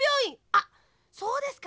あっそうですか。